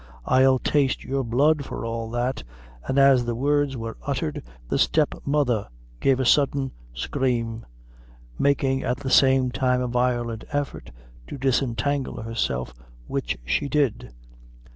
I'll taste your blood for all that!" and, as the words were uttered, the step mother gave a sudden scream, making at the same time a violent effort to disentangle herself, which she did.